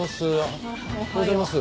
おはようございます。